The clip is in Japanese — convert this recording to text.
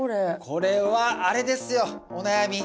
これはあれですよお悩み。